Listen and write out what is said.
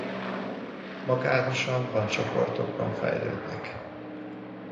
Magánosan vagy csoportokban fejlődnek.